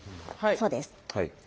そうです。